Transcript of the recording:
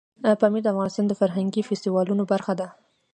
پامیر د افغانستان د فرهنګي فستیوالونو برخه ده.